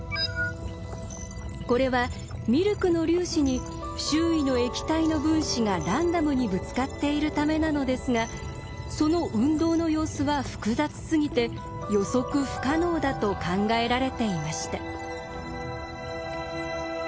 これはミルクの粒子に周囲の液体の分子がランダムにぶつかっているためなのですがその運動の様子は複雑すぎて予測不可能だと考えられていました。